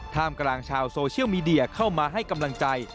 ท่ามกลางชาวโซเชียลมีเดียเข้ามาให้กำลังใจ